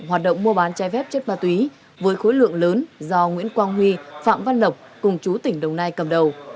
hoạt động mua bán trái phép chất ma túy với khối lượng lớn do nguyễn quang huy phạm văn lộc cùng chú tỉnh đồng nai cầm đầu